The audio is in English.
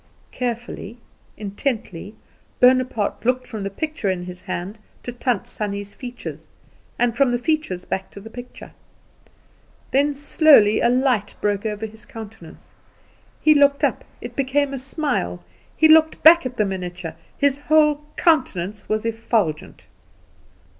Carefully, intently, Bonaparte looked from the picture in his hand to Tant Sannie's features, and from the features back to the picture. Then slowly a light broke over his countenance, he looked up, it became a smile; he looked back at the miniature, his whole countenance was effulgent.